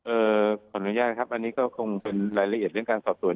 ขออนุญาตครับอันนี้ก็คงเป็นรายละเอียดเรื่องการสอบสวน